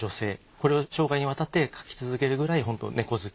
これを生涯にわたって描き続けるくらいホント猫好き。